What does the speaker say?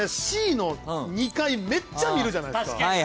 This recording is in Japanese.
Ｃの２階めっちゃ見るじゃないですか。